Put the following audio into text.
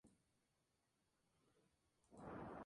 Varios de sus libros fueron llevados al cine.